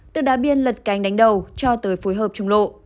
từ đá biên lật cánh đánh đầu cho tới phối hợp trùng lộ